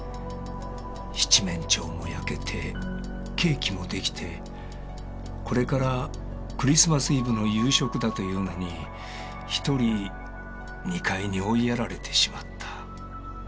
七面鳥も焼けてケーキも出来てこれからクリスマスイブの夕食だというのに１人２階に追いやられてしまった。